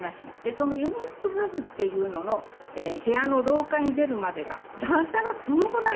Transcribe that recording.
そのユニットバスっていうのの部屋の廊下に出るまでが段差がこのぐらい。